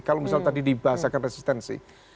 kalau misal tadi dibahas akan resistensi